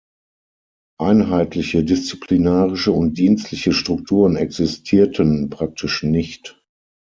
Einheitliche disziplinarische und dienstliche Strukturen existierten praktisch nicht.